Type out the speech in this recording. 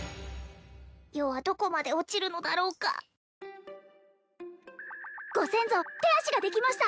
余はどこまで落ちるのだろうかご先祖手足ができました